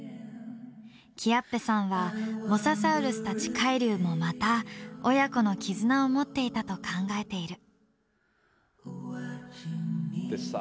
キアッペさんはモササウルスたち海竜もまた親子の絆を持っていたと考えている。